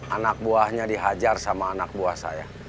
anak buahnya dihajar sama anak buah saya